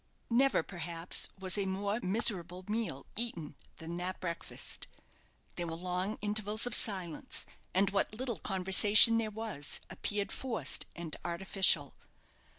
Never, perhaps, was a more miserable meal eaten than that breakfast. There were long intervals of silence; and what little conversation there was appeared forced and artificial.